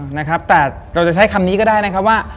นะครับแต่เราจะใช้คำนี้ก็ได้นะครับว่า